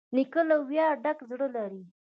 نیکه له ویاړه ډک زړه لري.